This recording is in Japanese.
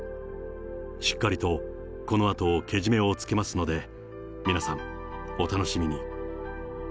しっかりとこのあと、けじめをつけますので、皆さん、お楽しみに。